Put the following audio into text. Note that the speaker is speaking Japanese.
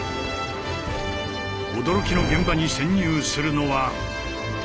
驚きの現場に潜入するのは。